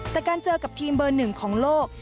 แต่การเจอกับทีมเบอร์หนึ่งของโลก